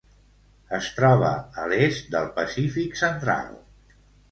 Es troba a l'est del Pacífic central.